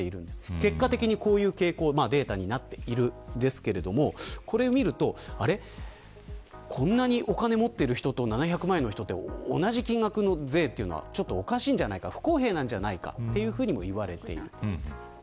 結果的に、こういう傾向データになっているんですがこれを見るとこんなにお金を持っている人と７００万円の人同じ金額の税は、ちょっとおかしいんじゃないか不公平なんじゃないかというふうにもいわれているわけです。